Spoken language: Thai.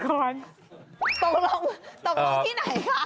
ตรงนี้ที่ไหนค่ะ